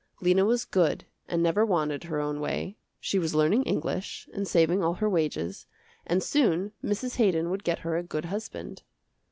Lena was good and never wanted her own way, she was learning English, and saving all her wages, and soon Mrs. Haydon would get her a good husband.